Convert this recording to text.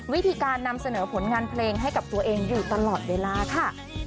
วิธีการนำเสนอผลงานเพลงให้กับตัวเองอยู่ตลอดเวลาค่ะ